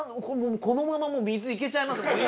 このままもう水いけちゃいます。